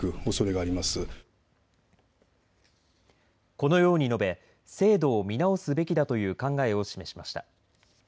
このように述べ、制度を見直すべきだという考えを示しました。